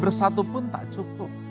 bersatu pun tidak cukup